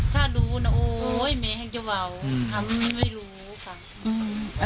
ถ้ารู้นะโอ้ยแม่แห่งเจ้าวาวทำไม่รู้ค่ะ